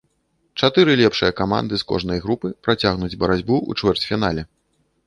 Чатыры лепшыя каманды з кожнай групы працягнуць барацьбу ў чвэрцьфінале.